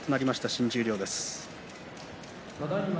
新十両です。